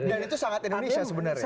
dan itu sangat indonesia sebenarnya